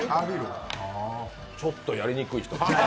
ちょっとやりにくい人ですね。